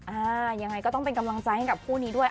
อ่ายังไงก็ต้องเป็นกำลังใจให้กับคู่นี้ด้วย